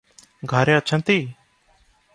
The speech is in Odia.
ଘରେ ଅଛନ୍ତି?